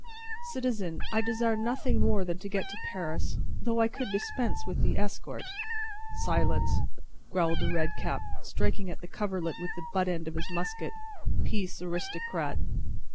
"Citizen, I desire nothing more than to get to Paris, though I could dispense with the escort." "Silence!" growled a red cap, striking at the coverlet with the butt end of his musket. "Peace, aristocrat!"